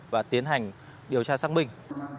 và tiến hành điều tra xác minh